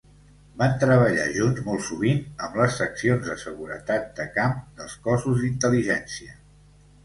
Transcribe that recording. Van treballar junts molt sovint amb les seccions de Seguretat de camp dels Cossos d"Intel·ligència.